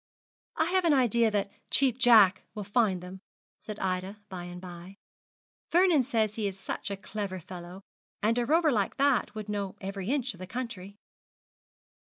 'I have an idea that Cheap Jack will find them,' said Ida by and by. 'Vernon says he is such a clever fellow; and a rover like that would know every inch of the country.'